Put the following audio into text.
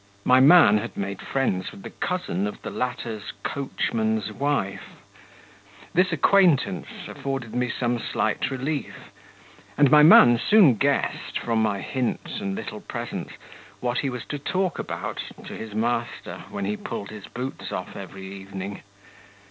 My man had made friends with the cousin of the latter's coachman's wife. This acquaintance afforded me some slight relief, and my man soon guessed, from my hints and little presents, what he was to talk about to his master when he pulled his boots off every evening.